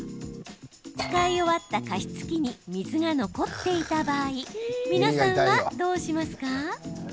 使い終わった加湿器に水が残っていた場合皆さんはどうしますか？